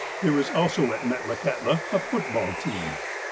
There is also at Metlakahtla a football team.